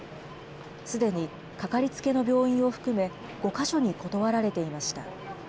すでにかかりつけの病院を含め、５か所に断られていました。